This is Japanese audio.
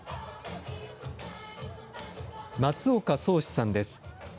松岡宗嗣さんです。